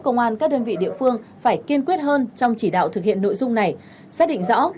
công an các đơn vị địa phương phải kiên quyết hơn trong chỉ đạo thực hiện nội dung này xác định rõ